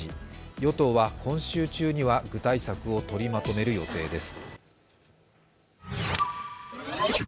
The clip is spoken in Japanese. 与党は今週中には具体策を取りまとめる予定です。